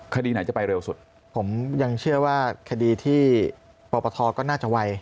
คดีไหนจะไปเร็วสุดผมยังเชื่อว่าคดีที่ปปทก็น่าจะไว